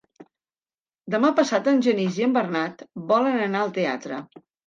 Demà passat en Genís i en Bernat volen anar al teatre.